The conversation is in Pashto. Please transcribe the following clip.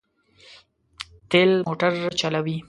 تېل موټر چلوي.